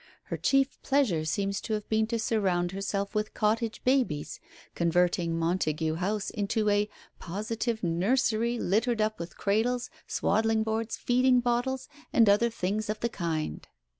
Her chief pleasure seems to have been to surround herself with cottage babies, converting Montague House into a "positive nursery, littered up with cradles, swaddling bands, feeding bottles, and other things of the kind."